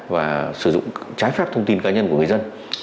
và sử dụng trái phép thông tin cá nhân của người dân